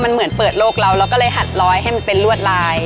มันเหมือนเปิดโลกเราเราก็เลยหัดร้อยให้มันเป็นลวดลาย